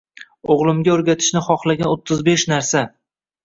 O'g'limga o'rgatishni xohlagan o'ttiz besh narsa.